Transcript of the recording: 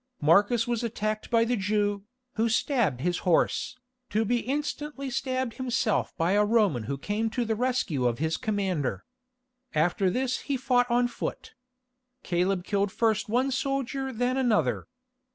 Marcus was attacked by a Jew, who stabbed his horse, to be instantly stabbed himself by a Roman who came to the rescue of his commander. After this he fought on foot. Caleb killed first one soldier than another.